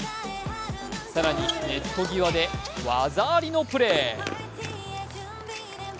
更に、ネット際で技ありのプレー。